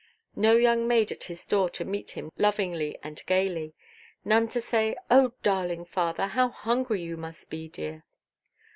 No young maid at his door to meet him lovingly and gaily. None to say, "Oh, darling father, how hungry you must be, dear!"